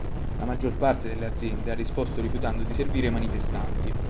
La maggior parte delle aziende ha risposto rifiutando di servire i manifestanti.